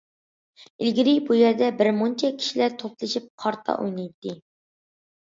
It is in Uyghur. ئىلگىرى بۇ يەردە بىرمۇنچە كىشىلەر توپلىشىپ قارتا ئوينايتتى.